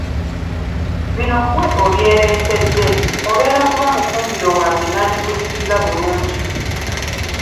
Bino ggwe obyereetedde; obeera kuba mufumbiro wange nandikuyisizza bulungi.